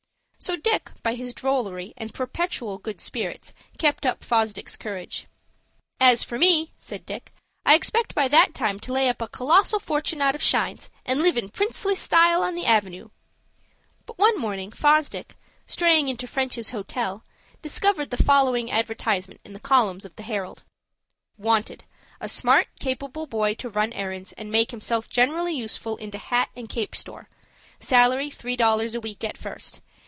So Dick by his drollery and perpetual good spirits kept up Fosdick's courage. "As for me," said Dick, "I expect by that time to lay up a colossal fortun' out of shines, and live in princely style on the Avenoo." But one morning, Fosdick, straying into French's Hotel, discovered the following advertisement in the columns of "The Herald,"— "WANTED—A smart, capable boy to run errands, and make himself generally useful in a hat and cap store. Salary three dollars a week at first.